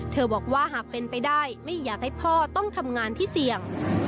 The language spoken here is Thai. บอกว่าหากเป็นไปได้ไม่อยากให้พ่อต้องทำงานที่เสี่ยง